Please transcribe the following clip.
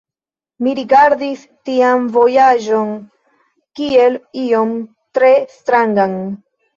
Mi rigardis tian vojaĝon kiel ion tre strangan.